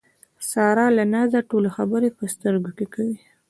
ساره له نازه ټولې خبرې په سترګو کې کوي.